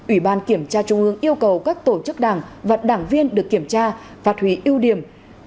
ủy ban kiểm tra trung ương yêu cầu các tổ chức đảng và đảng viên được kiểm tra phát huy ưu điểm